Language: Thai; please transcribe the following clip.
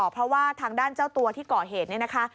เพราะว่าทางด้านเจ้าตัวที่ก่อเหตุเนี่ยนะคะ